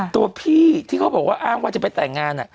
ตัวพี่ที่เขาบอกว่าอ้างว่าจะไปแต่งงาน